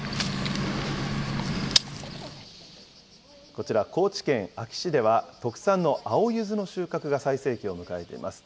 こちら、高知県安芸市では、特産の青ゆずの収穫が最盛期を迎えています。